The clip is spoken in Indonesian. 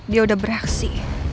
dia udah bereaksi